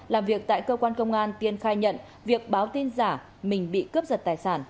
làm việc tại cơ quan công an tiên khai nhận việc báo tin giả mình bị cướp giật tài sản